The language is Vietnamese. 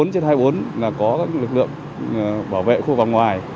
hai mươi bốn trên hai mươi bốn là có các lực lượng bảo vệ khu vòng ngoài